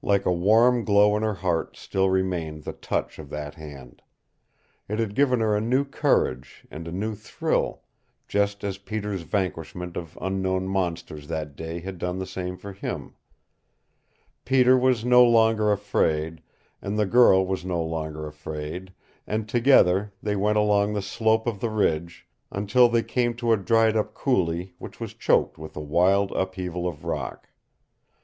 Like a warm glow in her heart still remained the touch of that hand. It had given her a new courage, and a new thrill, just as Peter's vanquishment of unknown monsters that day had done the same for him. Peter was no longer afraid, and the girl was no longer afraid, and together they went along the slope of the ridge, until they came to a dried up coulee which was choked with a wild upheaval of rock.